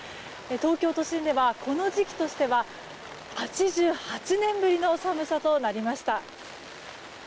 東京都心ではこの時期としては８８年ぶりの寒さとなりました。